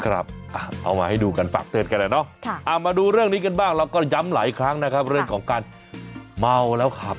เอามาให้ดูกันฝากเตือนกันแหละเนาะมาดูเรื่องนี้กันบ้างเราก็ย้ำหลายครั้งนะครับเรื่องของการเมาแล้วขับ